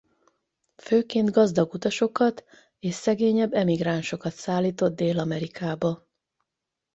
Főként gazdag utasokat és szegényebb emigránsokat szállított Dél-Amerikába.